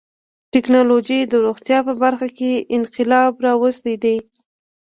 ټکنالوجي د روغتیا په برخه کې انقلاب راوستی دی.